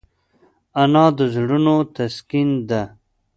انا د زړونو تسکین ده